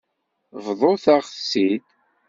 Bḍut-aɣ-tt-id.